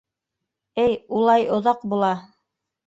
— Эй, улай оҙаҡ була.